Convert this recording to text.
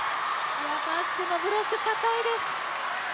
バックもブロックかたいです。